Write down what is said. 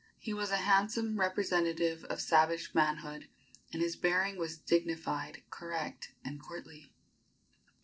He was a handsome representative of savage manhood, and his bearing was dignified, correct and courtly.